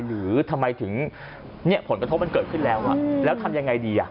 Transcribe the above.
หรือทำไมถึงผลกระทบมันเกิดขึ้นแล้วแล้วทำยังไงดี